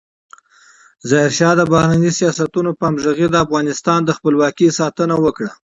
ظاهرشاه د بهرنیو سیاستونو په همغږۍ د افغانستان د خپلواکۍ ساتنه وکړه.